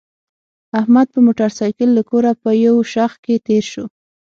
احمد په موټرسایکل له کوره په یو شخ کې تېر شو.